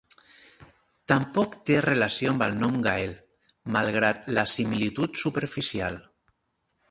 Tampoc té relació amb el nom "Gael", malgrat la similitud superficial.